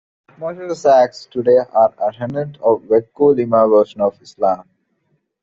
Most of the Sasaks today are adherents of the Waktu Lima version of Islam.